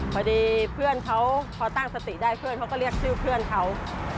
ผัวดีพี่เพื่อนเขาพอตั้งสติได้เขาก็เรียกชื่อเพื่อนเขา